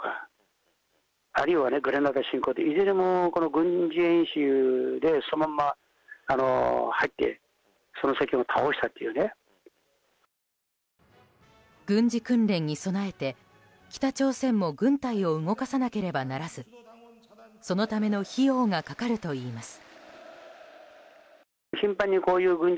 軍事訓練に備えて北朝鮮も軍隊を動かさなければならずそのための費用がかかるといいます。